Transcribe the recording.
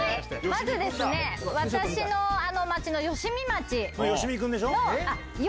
まず私の町の吉見町。